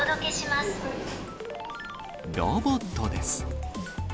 ロボットです。